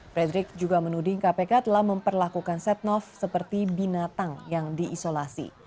frederick juga menuding kpk telah memperlakukan setnov seperti binatang yang diisolasi